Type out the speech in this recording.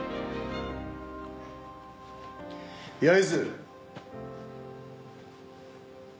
焼津。